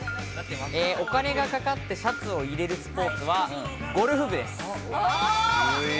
お金がかかってシャツを入れるスポーツはゴルフ部です。